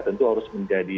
tentu harus menjadi